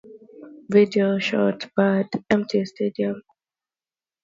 The video closes with shots of Bad Bunny in an empty stadium.